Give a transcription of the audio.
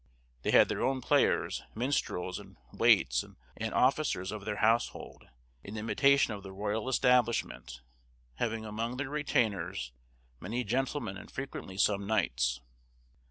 They had their own players, minstrels, and waits, and officers of their household, in imitation of the royal establishment; having among their retainers many gentlemen and frequently some knights.